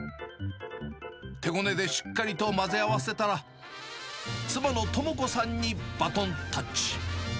手ごねでしっかりと混ぜ合わせたら、妻の智子さんにバトンタッチ。